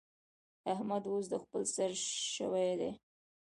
احمد اوس د خپل سر شوی دی.